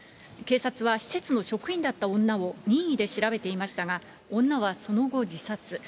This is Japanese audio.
警察は施設の職員だった女を任意で調べていましたが、女はその後、自殺。